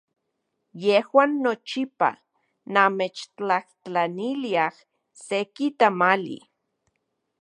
Yejuan nochipa namechtlajtlaniliaj seki tamali.